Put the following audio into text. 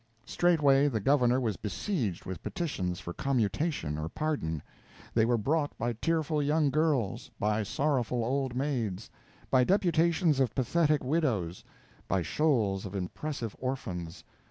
Straightway the Governor was besieged with petitions for commutation or pardon; they were brought by tearful young girls; by sorrowful old maids; by deputations of pathetic widows; by shoals of impressive orphans.